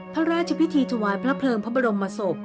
พระราชพิธีถวายพระเพลิงพระบรมศพ